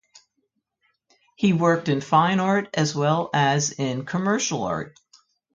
He worked in fine art as well as in commercial art.